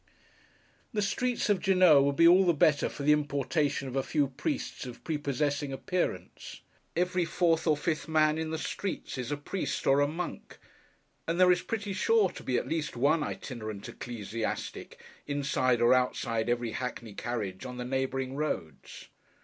The streets of Genoa would be all the better for the importation of a few Priests of prepossessing appearance. Every fourth or fifth man in the streets is a Priest or a Monk; and there is pretty sure to be at least one itinerant ecclesiastic inside or outside every hackney carriage on the neighbouring roads.